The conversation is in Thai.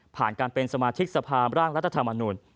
การเป็นสมาชิกสภาพร่างรัฐธรรมนุน